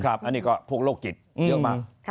ครับอันนี้ก็พวกโรคกิจเยอะมาก